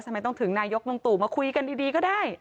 ทำไมต้องถึงนายกลุงตู่มาคุยกันดีก็ได้